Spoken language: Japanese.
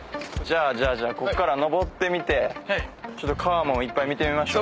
じゃあこっから上ってみて川もいっぱい見てみましょう。